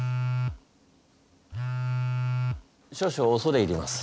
少々おそれ入ります。